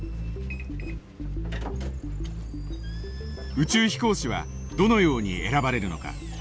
宇宙飛行士はどのように選ばれるのか。